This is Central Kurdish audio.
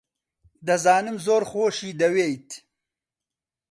دەزانم زۆر خۆشی دەوێیت.